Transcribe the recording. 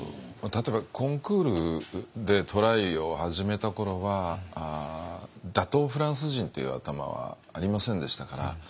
例えばコンクールでトライを始めた頃は打倒フランス人っていう頭はありませんでしたから。